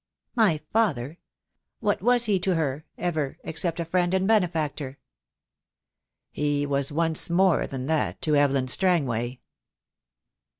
"My father! What was he to her — ever, except a friend and benefactor?" "He was once more than that to Evelyn Strang way."